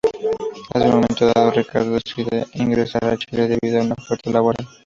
En un momento dado, Ricardo decide regresar a Chile debido a una oferta laboral.